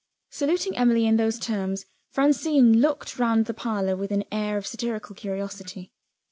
Saluting Emily in those terms, Francine looked round the parlor with an air of satirical curiosity.